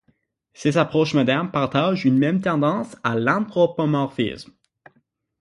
Ces approches modernes partagent une même tendance à l'anthropomorphisme.